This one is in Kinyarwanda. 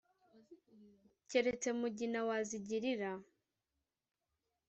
keretse mugina wazigirira